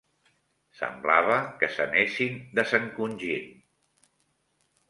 Semblava que s'anessin desencongint.